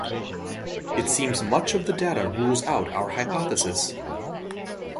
It seems much of the data rules out our hypothesis.